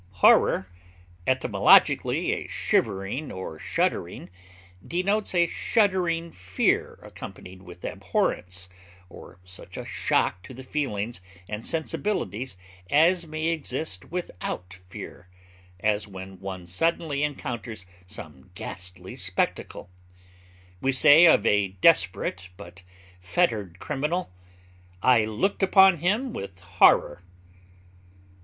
Horror (etymologically a shivering or shuddering) denotes a shuddering fear accompanied with abhorrence or such a shock to the feelings and sensibilities as may exist without fear, as when one suddenly encounters some ghastly spectacle; we say of a desperate but fettered criminal, "I looked upon him with horror."